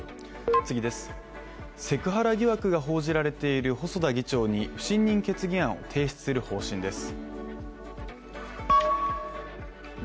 セクハラ疑惑が報じられている細田議長に不信任決議案を提出する方針です。